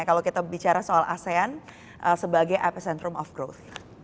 kalau kita bicara soal asean sebagai epicentrum of growth